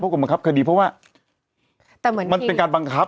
เพราะกรมบังคับคดีเพราะว่ามันเป็นการบังคับ